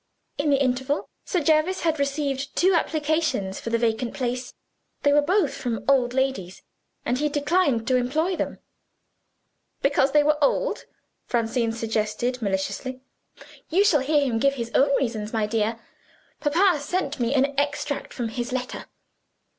In the interval, Sir Jervis had received two applications for the vacant place. They were both from old ladies and he declined to employ them." "Because they were old," Francine suggested maliciously. "You shall hear him give his own reasons, my dear. Papa sent me an extract from his letter.